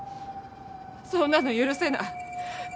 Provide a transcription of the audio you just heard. そんなの許せない。